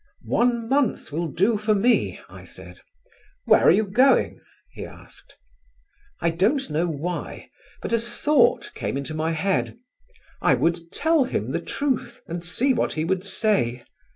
"One month will do for me," I said. "Where are you going?" he asked. I don't know why, but a thought came into my head: I would tell him the truth, and see what he would say.